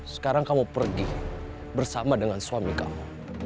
sekarang kamu pergi bersama dengan suami kamu